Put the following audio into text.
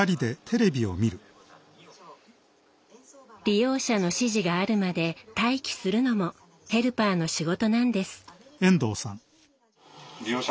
利用者の指示があるまで待機するのもヘルパーの仕事なんです。